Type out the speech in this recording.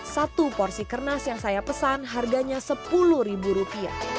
satu porsi kernas yang saya pesan harganya rp sepuluh